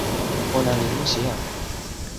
ona li musi a!